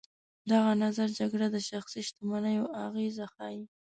دغه نظر جګړه د شخصي شتمنیو اغېزه ښيي.